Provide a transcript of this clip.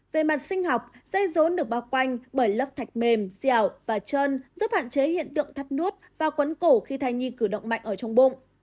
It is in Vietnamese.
về mặt sinh học dây rốn được bao quanh bởi lớp thạch mềm dẻo và trơn giúp hạn chế hiện tượng thắt nuốt và quấn cổ khi thai nhi cử động mạnh ở trong bụng